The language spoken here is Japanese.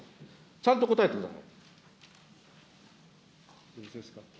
ちゃんと答えてください。